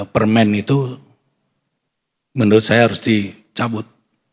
permen itu menurut saya harus dicabut